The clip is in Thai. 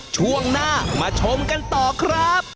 ช่วงหน้ามาชมกันต่อครับ